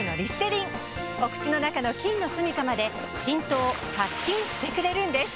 お口の中の菌のすみかまで浸透・殺菌してくれるんです。